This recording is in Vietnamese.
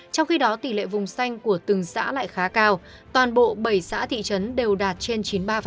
trong khi đó tỷ lệ vùng xanh của từng xã lại khá cao toàn bộ bảy xã thị trấn đều đạt trên chín mươi ba